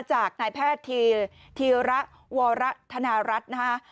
จากนายแพทย์ธีระวรธนารัฐนะฮะ